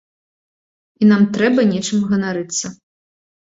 І нам трэба нечым ганарыцца.